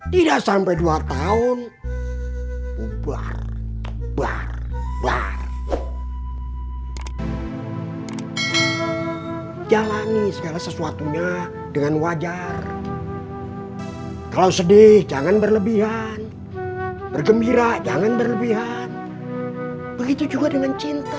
tidak sampai dua tahun